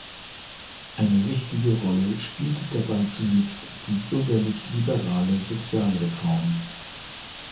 Eine wichtige Rolle spielte dabei zunächst die bürgerlich-liberale Sozialreform.